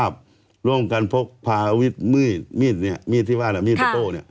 พาวิทย์มืดมีดที่บ้านมีดโต้